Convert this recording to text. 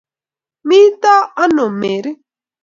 Mito ano Mary?